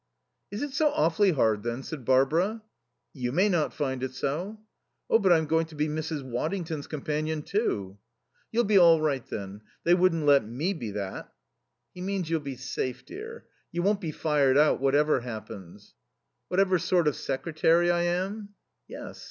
"Is it so awfully hard then?" said Barbara. "You may not find it so." "Oh, but I'm going to be Mrs. Waddington's companion, too." "You'll be all right then. They wouldn't let me be that." "He means you'll be safe, dear. You won't be fired out whatever happens." "Whatever sort of secretary I am?" "Yes.